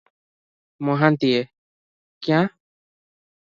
ମହାନ୍ତିଏ- କ୍ୟାଁ?